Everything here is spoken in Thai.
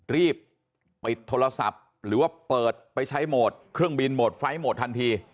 รีบปิดโทรศัพท์หรือว่าเปิดไปใช้โหมดเครื่องบินโหมดไฟล์โหมดทันที